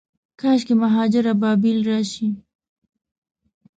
کاشکي، مهاجر ابابیل راشي